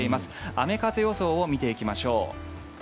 雨風予想を見ていきましょう。